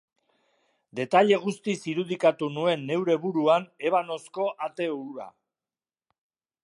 Detaile guztiz irudikatu nuen neure buruan ebanozko ate hura.